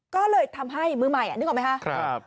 ก็เลยทำให้มือใหม่นึกออกไหมคะ